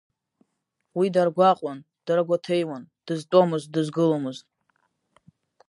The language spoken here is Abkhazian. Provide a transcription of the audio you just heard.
Уи даргәаҟуан, даргәаҭеиуан, дызтәомызт, дызгыломызт.